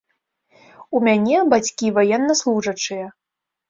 У мяне бацькі ваеннаслужачыя.